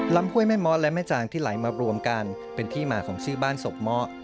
ห้วยแม่เมาะและแม่จางที่ไหลมารวมกันเป็นที่มาของชื่อบ้านศพเมาะ